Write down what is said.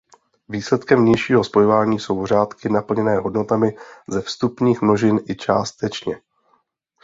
Výsledkem vnějšího spojování jsou řádky naplněné hodnotami ze vstupních množin i částečně.